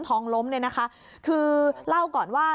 ทองปาด้วย